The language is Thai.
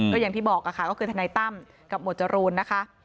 ก็อย่างที่บอกค่ะก็คือทนายตั้มกับหมวดจรูนนะคะ